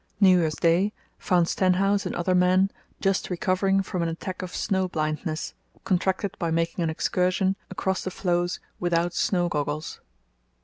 New Year's Day found Stenhouse and other men just recovering from an attack of snow blindness, contracted by making an excursion across the floes without snow goggles.